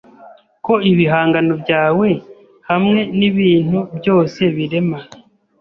Ko ibihangano byawe hamwe nibintu byose birema